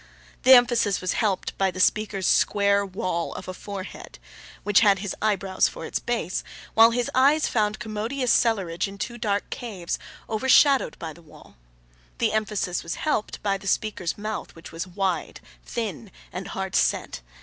The emphasis was helped by the speaker's square wall of a forehead, which had his eyebrows for its base, while his eyes found commodious cellarage in two dark caves, overshadowed by the wall. The emphasis was helped by the speaker's mouth, which was wide, thin, and hard set.